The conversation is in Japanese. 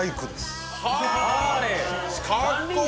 かっこいい！